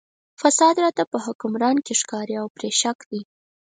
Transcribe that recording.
فساد راته په حکمران کې ښکاري او پرې شک دی.